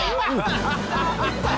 ハハハハハ！